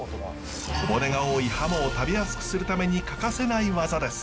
小骨が多いハモを食べやすくするために欠かせない技です。